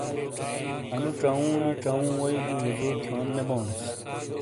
انو چاؤوں نی چاؤوں ووئی گی وضو تھیون نے بونیس۔